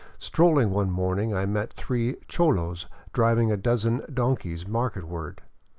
Strolling one morning, I met three cholos driving a dozen donkeys marketward.